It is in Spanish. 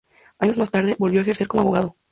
Años más tarde, volvió a ejercer como abogado.